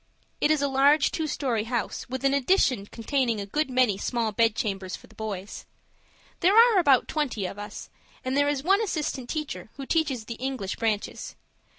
It is a large two story house, with an addition containing a good many small bed chambers for the boys. There are about twenty of us, and there is one assistant teacher who teaches the English branches. Mr.